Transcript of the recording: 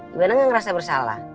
gimana gak ngerasa bersalah